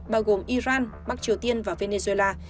bao gồm iran bắc triều tiên và venezuela